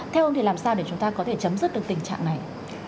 theo ông thì làm sao để chúng ta có thể chấm dứt được tình trạng này